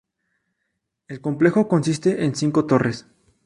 El complejo consiste en cinco torres.